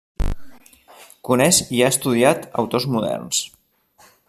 Coneix i ha estudiat autors moderns.